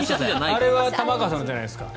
あれは玉川さんのじゃないですか？